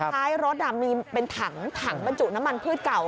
ท้ายรถมีเป็นถังบรรจุน้ำมันพืชเก่า